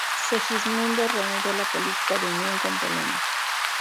Segismundo reanudó la política de unión con Polonia.